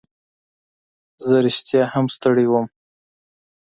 زه رښتیا هم ستړی وم.